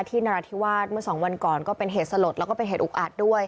นราธิวาสเมื่อสองวันก่อนก็เป็นเหตุสลดแล้วก็เป็นเหตุอุกอาจด้วย